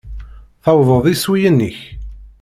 Tewwḍeḍ iswiyen-ik?